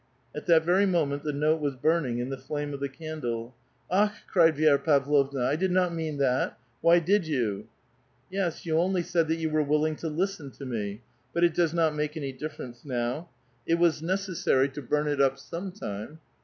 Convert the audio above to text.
At that very moment the note was burning in the flame of the candle. ^^Akkl" cried Vi6ra Pavlovna; ''I did not mean that! why did you ?"'* Yes, you only said that yon were willing to listen to me. But it does not make anj' difference now. It was necessary 298 A VITAL QUESTION. to burn it up some time."